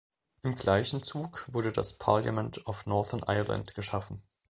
Im gleichen Zug wurde das Parliament of Northern Ireland geschaffen.